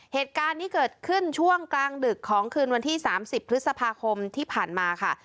เหตุการณ์นี้เกิดขึ้นช่วงกลางดึกของคืนวันที่๓๐พฤษภาคมที่ผ่านมาค่ะ